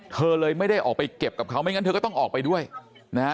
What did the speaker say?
เธอเลยไม่ได้ออกไปเก็บกับเขาไม่งั้นเธอก็ต้องออกไปด้วยนะฮะ